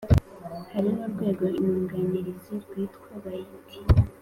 Hari n’urwego nyunganizi rwitwa Bayitu